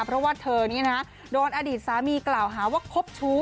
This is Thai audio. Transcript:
เพราะว่าเธอนี้นะโดนอดีตสามีกล่าวหาว่าคบชู้